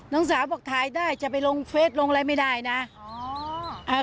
น้องสาวบอกถ่ายได้จะไปลงเฟสลงอะไรไม่ได้นะอ๋ออ่า